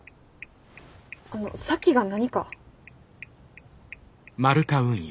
あの咲妃が何か？